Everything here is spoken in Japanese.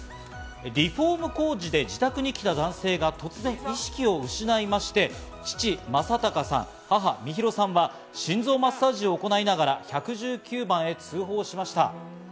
リフォーム工事で自宅に来た男性が突然意識を失いまして、父・正隆さん、母・美弘さんは心臓マッサージを行いながら１１９番へ通報しました。